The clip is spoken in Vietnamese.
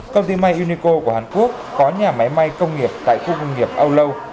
công ty may unico của hàn quốc có nhà máy may công nghiệp tại khu công nghiệp âu lâu